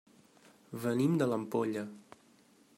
Venim de l'Ampolla.